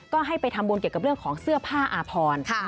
ก็ให้ไปทำบุญเกี่ยวกับเรื่องของเสื้อผ้าอาพร